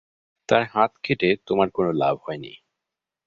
তার হাত কেটে তোমার কোন লাভ হয়নি।